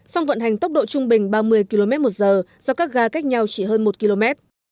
song vận hành tốc độ trung bình ba mươi km một giờ do các ga cách nhau chỉ hơn một km